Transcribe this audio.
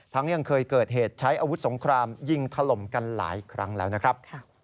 ยังเคยเกิดเหตุใช้อาวุธสงครามยิงถล่มกันหลายครั้งแล้วนะครับ